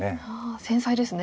繊細ですね。